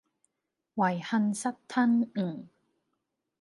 遺恨失吞吳